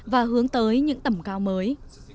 và hướng tới những tầm cao mới